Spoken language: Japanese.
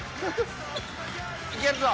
いけるぞ！